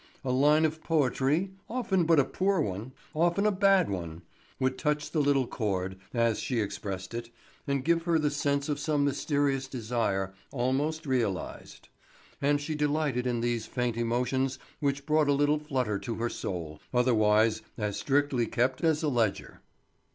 A line of poetry, often but a poor one, often a bad one, would touch the little chord, as she expressed it, and give her the sense of some mysterious desire almost realized. And she delighted in these faint emotions which brought a little flutter to her soul, otherwise as strictly kept as a ledger.